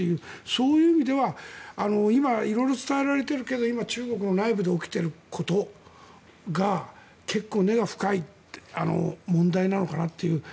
そういう意味では今色々伝えられているけれども中国の内部で起きていることが結構、根が深い問題なのかなという。